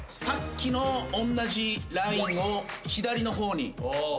さっきのおんなじラインを左の方に。